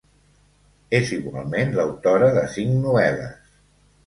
És igualment l’autora de cinc novel·les.